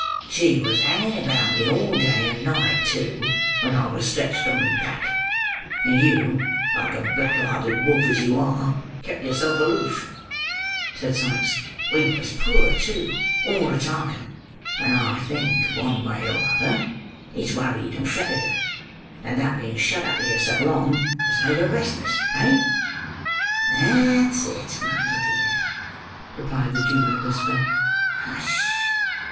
"She was hanging about me all day, and night too, when I was stretched on my back; and you, like a blackhearted wolf as you are, kept yourself aloof," said Sikes. "We was poor too, all the time, and I think, one way or other, it's worried and fretted her; and that being shut up here so long has made her restless—eh?" "That's it, my dear," replied the Jew in a whisper. "Hush!"